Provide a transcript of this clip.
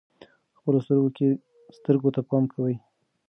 خپلو سترګو ته پام کوئ.